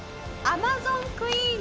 アマゾンクイーン。